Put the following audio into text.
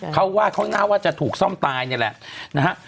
เขาน่าว่าจะถูกซ่อมตายนี่แหละ